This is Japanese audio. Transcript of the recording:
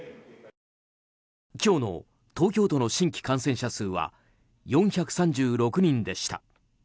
今日の東京都の新規感染者数は４３６人でした。